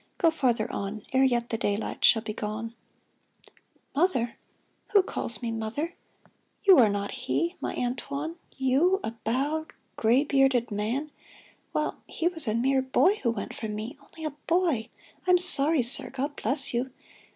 Go farther on Ere yet the daylight shall be gone. FROM EXILE 357 * Mother !' Who calls me ' Mother ?' You f You are not he — my Antoine ! You — A bowed, gray bearded man, while he Was a mere boy who went from me, Only a boy! I'm sorry, sir. God bless you